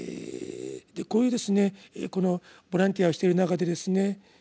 こういうこのボランティアをしてる中でですね